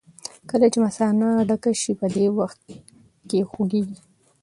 کله چې مثانه ډکه شي په دې وخت کې خوږېږي.